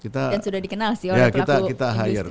dan sudah dikenal sih orang pelaku industri kan